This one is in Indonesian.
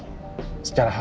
nggak usah lo pikir